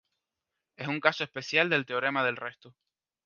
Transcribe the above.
Es un caso especial del teorema del resto.